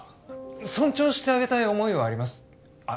尊重してあげたい思いはありますあっ